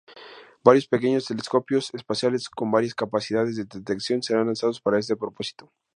Varios pequeños telescopios espaciales, con varias capacidades de detección, serán lanzados para este propósito.